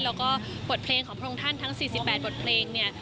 แล้วก็บทเพลงของพระองค์ท่านทั้ง๔๘บทเพลงเนี่ย